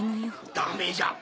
ダメじゃ！